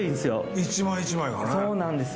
１枚１枚がねそうなんですよ